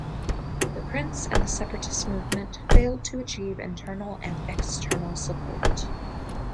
The Prince and the separatist movement failed to achieve internal and external support.